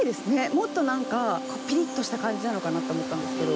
もっと、なんかピリッとした感じなのかなと思ったんですけど。